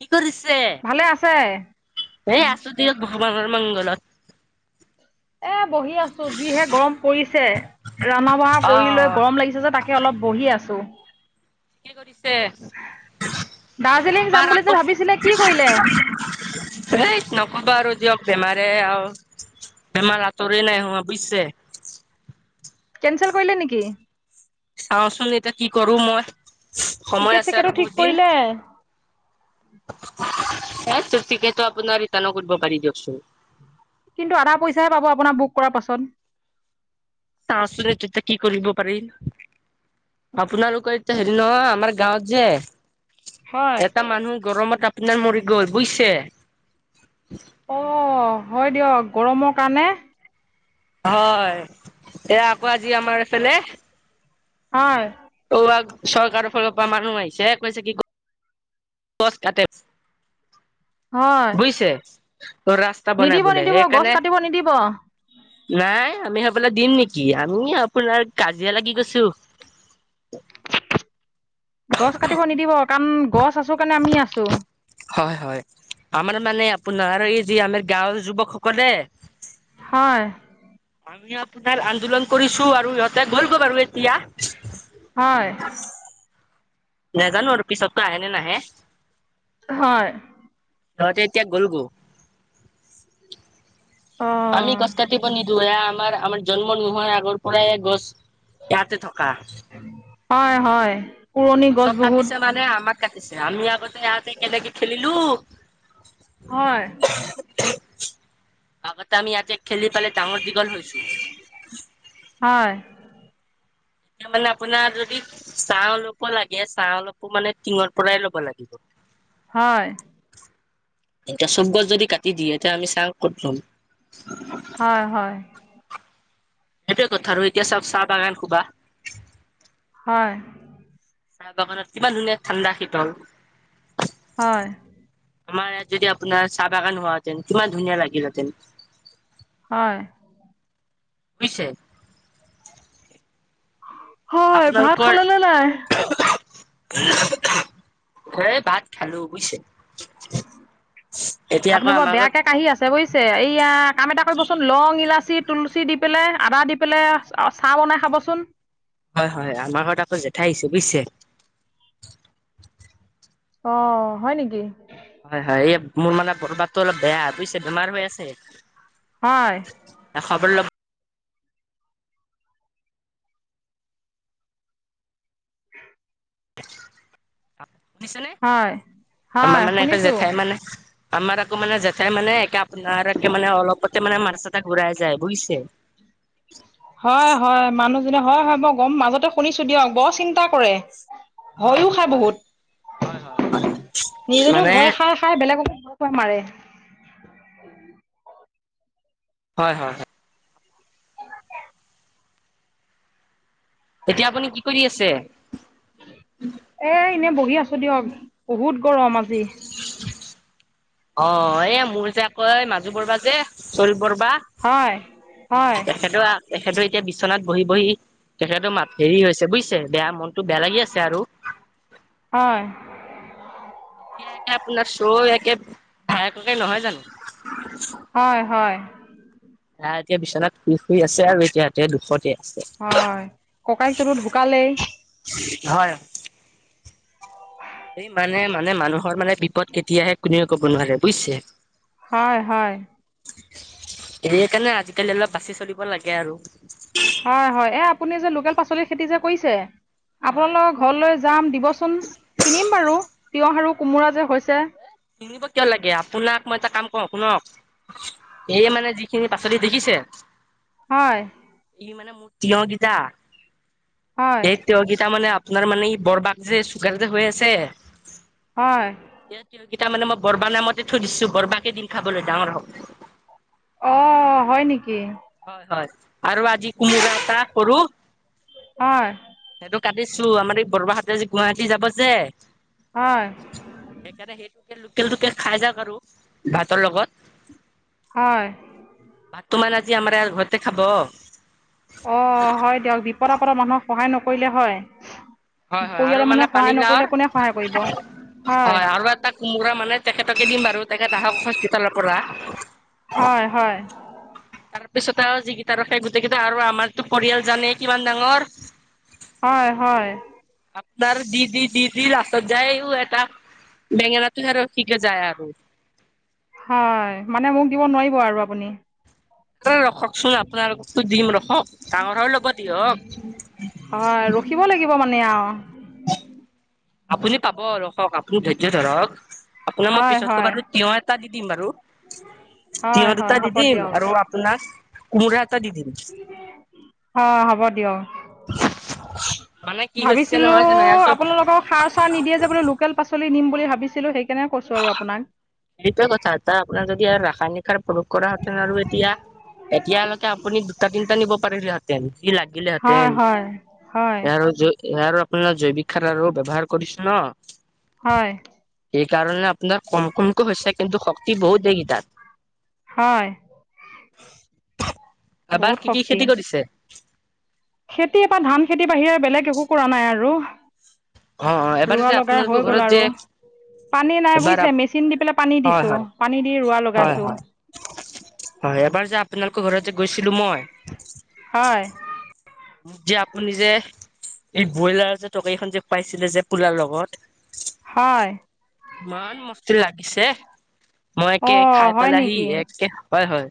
কি কৰিছে? ভালে আছে এ, আছোঁ দিয়ক ভগৱানৰ মংগলত। এ, বহি আছোঁ, যিহে গৰম পৰিছে, ৰন্ধা বঢ়া কৰি লৈ অ', গৰম লাগিছে যে তাকে কে অলপ বহি আছোঁ। কি কৰিছে? এ, দাৰ্জিলিং যাম আবাৰ বুলি যে আকৌ ভাবিছিলে কি কৰিলে এ, নক'বা আৰু দিয়ক, বেমাৰে আৰু বেমাৰ আঁতৰে নাই হোৱা বুজিছে? কেনচেল কৰিলে নেকি? চাওঁচোন এতিয়া কি কৰোঁ মই, সময় টিকেট আছে চিকেটো আৰু ঠিক বহুত দিন। কৰিলে এ, টু টিকেটতো আপোনাৰ ৰিটাৰ্ণো কৰিব পাৰি দিয়কচোন। কিন্তু আধা পইচাহে পাব আপোনাৰ বুক কৰাৰ পাছত। চাওচোন তে এতিয়া কি কৰিব পাৰি। আপোনালোকৰ এতিয়া হেৰি নহয়, আমাৰ গাঁৱত যে হয় এটা মানুহ গৰমত আপোনাৰ মৰি গ'ল বুজিছে? অ' হয় দিয়ক, গৰমৰ কাৰণে হয়, এয়া আকৌ আজি আমাৰ এইফালে হয়। চৰকাৰৰ ফালৰপৰা মানুহ আহিছে, কৈছে কি গছ কাটে। হয় বুজিছে? ৰাস্তা বনাই নিদিব বোলে নিদিব গছ সেইকাৰণে কাটিব নিদিব নাই, আমি সেইফালে, দিম নেকি? আমি আপোনাৰ, কাজিয়া লাগি গৈছোঁ! [inaudible] গছ কাটিব নিদি? কাৰণ, গছ আছোঁ কাৰণে, আমি আছোঁ হয়! হয়! আমাৰ মানে, আপোনাৰ এই যি, আমাৰ গাঁৱৰ যুৱকসকলে হয়! আমি আপোনাৰ, আন্দোলন কৰিছোঁ আৰু ইহঁতে গ'লগে বাৰু এতিয়া। হয়! নাজানোঁ আৰু পিছততো আহে নে নাহে! হয়! সিহঁতে এতিয়া, গ'লগৈ। অ'! আমি গছ কাটিব নিদিওঁ! এ, আমাৰ, আমাৰ জন্ম নোহোৱাৰ আগৰ পৰাই, গছ ইয়াতে থকা। হয়! হয়! পুৰণি গছ গছত বহুত কাটিছে মানে, আমাক কাটিছে! আমি আগতে, ইয়াতে কেনেকে খেলিলোঁ। হয়! [unintelligible] আগতে আমি, ইয়াতে খেলি পিলে ডাঙৰ-দীঘল হৈছোঁ। [inaudible] হয়! এতিয়া মানে, আপোনাৰ যদি, চাহ অলপো লাগে, চাহ অলপো মানে, টিঙৰ পৰাই ল'ব লাগে। [inaudible] হয়! এতিয়া, চব গছ যদি কাটি দিয়ে। এতিয়া আমি, চাঁ ক'ত ল'ম? হয়! হয়! সেইটোৱে কথা আৰু এতিয়া চাওঁক, চাহ বাগান সোপা। হয়! চাহ বাগানত, কিমান ধুনীয়া! ঠাণ্ডা-শীতল। হয়! আমাৰ ইয়াত যদি, আপোনাৰ চাহ বাগান হোৱাহেঁতেন, কিমান ধুনীয়া লাগিলহেঁতেন! হয়! [unintelligible] বুজিছে? হয়! ভাত আপোনালোকৰ খালেনে নাই? [unintelligible] এই, ভাত খালোঁ বুজিছে! এতিয়া আকৌ আপুনি বৰ আমাৰ ঘৰত বেয়াকে কাঁহি আছে? আছে, বুজিছে। এইয়া, কাম এটা কৰিবচোন? লং ইলাচী, তুলসী দি পেলাই, আদা দি পেলাই অ'! চাহ বনাই খাবচোন? হয়, হয়। আমাৰ ঘৰত আকৌ, জেঠাই আহিছে, বুজিছে! অ'! হয় নেকি? হয়, হয়। এই, মোৰ মানে, গাটো অলপ বেয়া, বুজিছে! বেমাৰ হৈ আছে। হয় এ, খবৰ ল'ব শুনিছেনে? হয় আমাৰ হয় মানে, এটা শুনিছো জেঠাই মানে, আমাৰ আকৌ মানে, জেঠাই মানে, একে আপোনাৰে মানে, অলপতে মানে, মাথা-চাথা এটা ঘূৰাই যায়, বুজিছে! [inaudible] হয, হয়, মানুহজনী। হয়, হয়, মই গম, মাজতে শুনিছোঁ দিয়ক! বৰ চিন্তা কৰে! হয়, ভয়ো হয়, খাই হয়, বহুত হয়, হয়, হয়। নিজেতো মানে, [unintelligible] হয়, হয়, হয়। তেতিয়া আপুনি কি কৰি আছে? এই, এনে বহি আছোঁ দিয়ক, বহুত গৰম আজি! অ'! এই, মোৰ যে, আকৌ মাজু [unintelligible] হয়! হয়! তেখেতৰ তেখেতৰ এতিয়া বি্বনাত বহি বহি তেখেতৰ মাত হেৰি হৈছে বুজিছে বেয়া মনতটো বেয়া লাগি আছে আৰু হয় ইয়াকে আপোনাৰ শ্ব' ইাকে ভায়ককে নহয় জানো হয় হয় আহ এতিয়া বি্বনাত শু শুৰি আছে আৰু এতিয়া ইাতে দুশতে হয় ককাইক ততো ঢুকালেই হয় উ এই মানে মানে মানুহৰ মানে বিপদ কেতিয়াহে কোনেে কব নোৱাৰে বুজিছে হয় হয় সয় কাৰণে আজিকালি অলপ বাচি চলিব লাগে আৰু হয় হয় এ আপুনি যে লোকেল পাচলি খেতি যে কৰিছে হয়। আপোনালোকৰ ঘৰলৈ যাম দিবচোন কিনিম বাৰু তিঁয়ঁহ আৰু কোমোৰা যে হৈছে কিনিব কিয় লাগে আপোনাক মই এটা কাম কৰ শুনক সে মানে যিখিনি পাচলি দেখিছে হয় ই মানে মূ্তয়োগিতা হয় এক তেওঁকেইটা মানে আপোনাৰ মানে এই বৰবাগ যে চুগাৰ যে হৈ আছে হয় সকেইটা মানে মই বৰবা নামতে থৈ দিছো বৰবাকে দিন খাবলৈ ডাঙৰ হওক অঁ হয় নেকি হয় হয় আৰু আজি কুমো এটা কৰো হয় সেইটো কাটিছো আমাৰ এই বৰবাহতে গুৱাহাটী যাব যে হয় সেইকাৰণে সেইটোকে লোকেল লোকেল খাই যাক আৰু ভাতৰ লগত হয় ভাত ত মান আজি আমাৰ ঘৰতে খাব অ হয় দিয়ক বিপদ আপদৰ মানুহক সহায় নকৰিলে হয় হয় হয় আৰু পৰিয়ালৰ মানে মানুহে সহায় পানীলাওৰ নকৰিলে কোনে সহায় কৰিব হয় তাক কোমোৰা মানে তেখেতকে দিম বাৰু তেখেত আহক হস্পিিতালৰ পৰা হয় হয় তাৰপিছত আৰু যিকিটা ৰখে গোটেই কেইটা আৰু আমাৰতো পৰিয়াল জানে কিমান ডাঙৰ হয় হয় আপোনাৰ দিদি দিদি লাষ্টত যায়ও এটা বেঙেনাটোোহেৰ শিকে যায় আৰু হয়, মানে মোক দিব নোৱাৰিব আৰু আপুনি। ৰখকচোন আপোনাৰো দিম ৰখক ডাঙৰৰ হৈ লব দিয়ক। হয়, ৰখিব লাগিব মানে আৰু আপুনি পাবক আপুনি ধৈৰ্য ধৰক আপোনাক মই হয় পিছতকৈ হয় বাৰু তি এটা দি দিম বাৰু। হয় তিঁয়ঁৰ হয় দুটা দি হ'ব দিম দিয়ক আৰু আপোনাৰ কোমোৰা এটা দি দিম। অ' হ'ব দিয়ক। মানে কি হছিল ভাবিছিলোঁ হয় নাই আৰু চব আপোনালোকৰ সাৰ চাৰ নিদিয়ে যে বো লোকেল পাচলি নিম বুলি ভাবিছিলোঁ সেইকাৰণে কৈো আৰু আপোনাক। সেইটোৱে কথা এটা আপোনাৰ যদি আৰু ৰাসায়নিক সাৰ প্ৰয়োগ কৰা হেতেন আৰু এতিয়া এতিয়ালৈকে আপুনি দুটা তিনিটা নিব পাৰিলেহাত। তেন কি হয় লাগিলেহেঁতেন হয় হয় সাৰ য সয়াৰ জৈৱিক খাৰ ৰ ব্যৱাৰ কৰিছো ন'। হয়। সেইকাৰণে আপোনাৰ কম কমকৈ হৈছে কিন্তু শক্তি বহুত দেগী তাত। হয়। বহুত এবাৰ কি-কি শক্তি খেতি কৰিছে? খেতি এ বা ধান খেতিৰ বাহিৰে বেলেগ একো কৰা নাই আৰু। অ অ এবাৰ ৰোৱা যে লগা আপোনালোকৰ হৈ ঘৰত গ'ল যে আৰু। পানী নাই এবাৰ বুজিছে মেচিন দি পেলাই পানী হয় দিছো হয় পানী দি ৰোৱা হয় লগাইছো। হয় হয়, এবাৰ যে আপোনালোকৰ ঘৰতে গৈছিলো মই হয়। যে আপুনি যে এই ব্ৰইলাৰ যে তৰকাৰী এখন যে খুৱাইছিলে যে পোলাৰ লগত। হয়। ইমান মস্তি লাগিছে, মই অ একে খাই হয় পেলাইহি নেকি একে হয়-হয়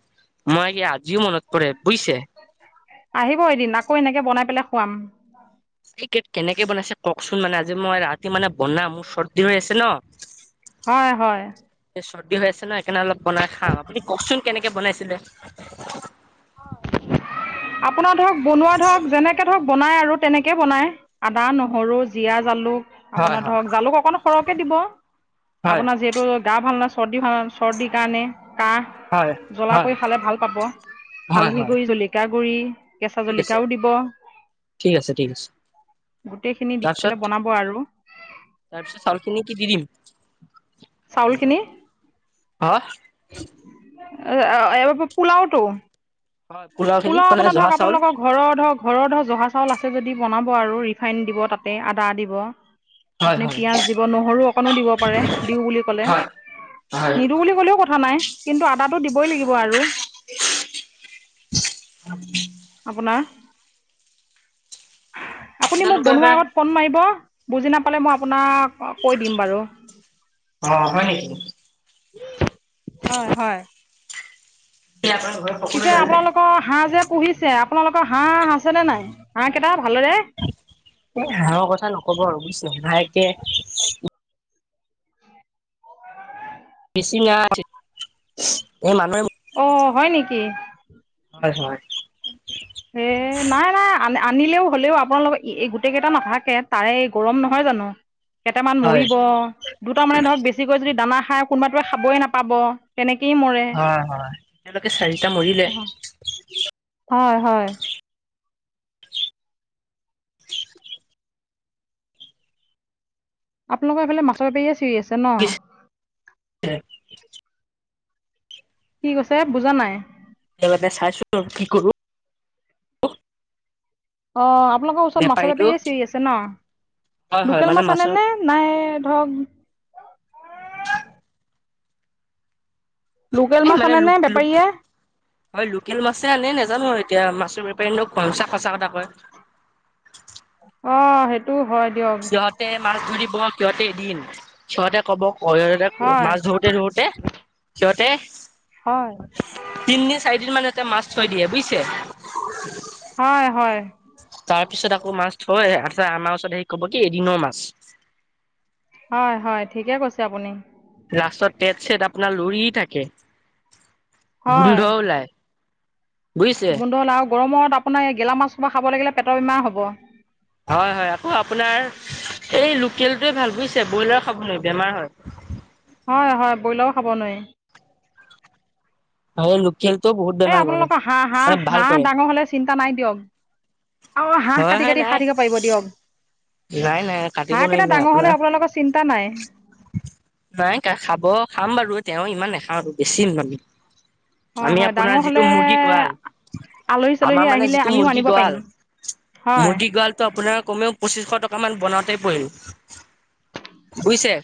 মই কি আজিও মনত পৰে বুজিছে। আহিব এদিন আকৌ এনেকে বনাই পেলাই খুৱাম। এই কেক কেনেকে বনাইছে কওকচোন মানে আজি মই ৰাতি মানে বনাম মোৰ চৰ্দিৰ হৈ আছে ন'। হয়-হয়। এই চৰ্দি হৈ আছে ন' সেইকাৰণে অলপ বনাই খাম আপুনি কওকচোন কেনেকে বনাইছিলে? [unintelligible] আপোনাৰ ধৰক বনোৱা ধৰক যেনেকে ধৰক বনায় আৰু তেনেকে বনায়। আদা, নহৰু, জীয়া, জালুক হয় আপোনাৰ হয় ধৰক জালুক অকমান সৰহকে দিব, হয় আপোনাৰ যি হেটো গা ভাল নাই চৰ্দি ভাল চৰ্দিৰ কাৰণে হয় কাহ জ্বলা হয় কৰি খালে ভাল পাব। হয় হালধি হয় গুড়ি, জলিক গুড়ি, কেঁচা ঠিক আছে জলকিয়াও দিব। ঠিক আছে ঠিক আছে গোটেইখিনি দি তাৰপিছত পেলাই বনাব আৰু। তাৰপিছত চাউল খিনি কি দি দিম? চাউলখিনি হা? এইবাৰ পোলাওতটো হয় খিনি পোলাও মানে আপোনাৰ জহা ধৰক চাউল আপোনালোকৰ ঘৰৰ ধৰক ঘৰৰ ধৰক জহা চাউল আছে যদি বনাব আৰু ৰিফাইন দিব তাতে আদা দিব। হয় আপুনি হয় পিয়াজ দিব নহৰু অকনো দিব পাৰে দিও বুলি ক'লে। হয় হয়। নিদো বুলি ক'লেও কথা নাই কিন্তু আদাটো দিবই লাগিব আৰু। [unintelligible] আপোনাৰ আপুনি মোক আপোনালোকৰ বনোৱা এবাৰ আগত ফোন মাৰিব। বুজি নাপালে মই আপোনাক কৈ দিম বাৰু। অ হয় নেকি হয়-হয়। কি ঘৰ পিছে আপোনালোকৰ হাঁহ যে পুহিছে আপোনালোকৰ হাঁহ আছেনে নাই হাঁহ কেইটা ভালেৰে? হাঁহ কথা নকব আৰু বুজিছ হাঁহ অকে বেছি নাই এই মানুহে অ, হয় নেকি? হয়-হয়। নাই-নাই আ আনিলেও হ'লেও আপোনালোকক এই গোটেই কেইটা নাথাকে তাৰে গৰম নহয় জানো। কেইটামান হয় মৰিব, দুটা মানে ধৰক বেছিকৈ যদি দানা খাই কোনোবা তোৱে খাবয়ে নাপাব। তেনেকেই মৰে। হয়-হয়, এতিয়ালোকে চাৰিটা মৰিলে। হয়-হয়। আপোনালোকৰ এইফালে মাছৰ বেপাৰীয়ে চিঞৰি আছে ন', হয় [unintelligible] কি কৈছে বুজা নাই? এবতে চাইছোন আৰু কি কৰো। অ, আপোনালোকৰ ওচৰত মাছৰ বেপাৰীটো বেপাৰীয়ে চিঞৰি আছে ন' হয় হয় লোকেল মানে মাছ আনে মাছৰ নে? নাই ধৰক, লোকেল এই মাছ মানে আনে নে লোক লোক বেপাৰীয়ে। হয় লোকেল মাছে আনে নাজানোঁ আৰু এতিয়া মাছৰ বেপাৰীনো কোনচা সঁচা কটা কয়। অ', সেইটো হয় দিয়ক। সতে মাছ ধৰিব সিহঁতে এদিন সিহঁতে কব [unintelligible] সিহঁতে হয় মাছ ধৰি তে ৰওঁতে সিহঁতে হয়। তিদিন চাৰিদিন মানহ মাছ থৈ দিয়ে বুজিচা। হয়, হয়। তাৰপিছত আকৌ মাছ থয় তপাছত আমাৰ ওচৰত হেৰি ক'ব কি এদিনৰ মাছ। হয়, হয় ঠিকে কৈছে আপুনি। ৰাস্তাত তেট ছেট আপোনাৰ লৰি থাকে গোন্ধ ওলাই। বুজিছে গোন্ধ ওলাই আৰু গৰমত আপোনাৰ এই গেলা মাছসো খাব লাগিলে বেমাৰ হ'ব। হয়, হয় আকৌ আপোনাৰ এই লোকেলটোৱে ভাল বুজিছে ব্ৰইলাৰ খাবলৈৱাৰি বেমাৰ হয়। হয়, হয় ব্ৰইলাৰো খাব নোৱাৰি। হল। খেলতো বহুত। এই বেমাৰ কৰে আপোনালোকৰ হাঁহ, হাঁহ, মানে ভাল হাঁহ কৰে ডাঙৰ হ'লে। চিন্তা নাই দিয়ক আৰু হাঁহ হয় কাটি হয় কাটি নাই খাই থাকিব পাৰিব দিয়ক। নাই নাই কাটিব হাঁহ এটা নোৱাৰিম ডাঙৰ আপোনাৰ হ'লে আপোনালোকৰ চিন্তা নাই। নাই খাব খাম বাৰু তেওঁ ইমান নাখাওঁ আৰু বেছি [unintelligible] হয় আমি হয় ডাঙৰ আপোনাৰ যিটো হ'লে মুৰ্গী গোৱাল আলহী চালহী আমাৰ মানে আহিলে যিটো আমিও মুৰ্গী আনিব পাৰিম গৰাাল হয় মুৰ্গী গড়াল ত আপোনাৰ কমেও পঁচিশ টকা মান বনাওঁতেই পৰিল বুজিছে।